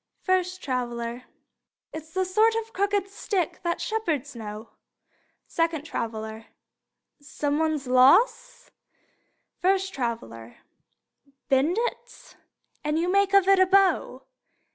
First Traveler: It's the sort of crooked stick that shepherds know. Second Traveler: Some one's loss! First Traveler: Bend it, and you make of it a bow.